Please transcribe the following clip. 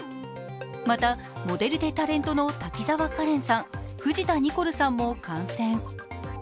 またモデルでタレントの滝沢カレンさん、藤田ニコルさんも感染。